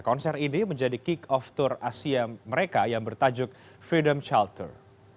konser ini menjadi kick off tour asia mereka yang bertajuk freedom child tour